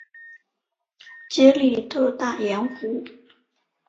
杰里德大盐湖。